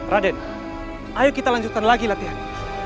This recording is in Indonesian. raden ayo kita lanjutkan lagi latihan